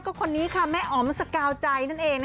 ก็คนนี้ค่ะแม่อ๋อมสกาวใจนั่นเอง